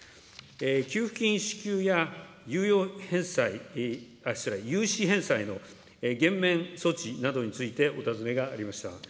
給付金支給や、猶予返済、失礼、融資返済の減免措置などについてお尋ねがありました。